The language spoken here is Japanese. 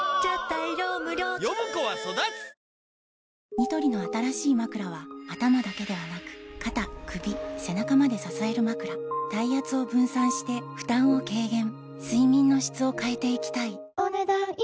ニトリの新しいまくらは頭だけではなく肩・首・背中まで支えるまくら体圧を分散して負担を軽減睡眠の質を変えていきたいお、ねだん以上。